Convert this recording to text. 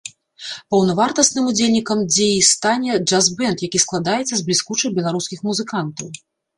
Паўнавартасным удзельнікам дзеі стане джаз-бэнд, які складаецца з бліскучых беларускіх музыкантаў.